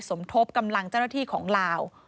สมทบกำลังเจ้าหน้าที่ของลาว